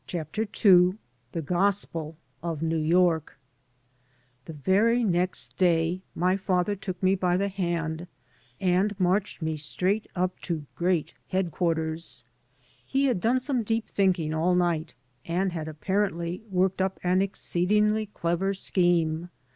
u n THE GOSPEL OF NEW YORK THE very next day my father took me by the hand and marched me straight up to Great Headquar ters. He had done some deep thinking all night and had apparently worked up an exceedingly clever scheme.